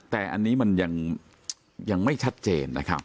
แต่อันนี้มันยังไม่ชัดเจนนะครับ